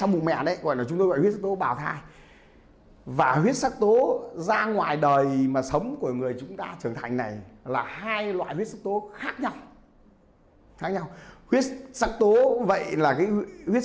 bệnh viện phụ sản trung ương cho biết